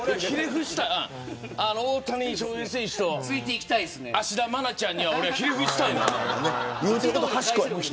大谷翔平選手と芦田愛菜ちゃんにひれ伏したい。